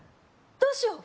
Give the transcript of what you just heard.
どうしよう